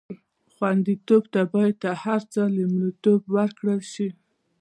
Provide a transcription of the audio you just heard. خوندیتوب ته باید تر هر څه لومړیتوب ورکړل شي.